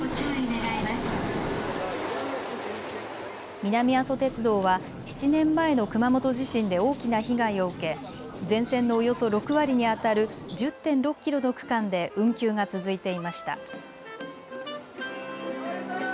南阿蘇鉄道は７年前の熊本地震で大きな被害を受け、全線のおよそ６割にあたる１０．６キロの区間で運休が続いていました。